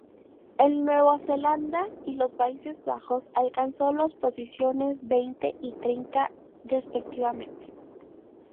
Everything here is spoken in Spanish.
En Nueva Zelanda y los Países Bajos alcanzó las posiciones veinte y treinta, respectivamente.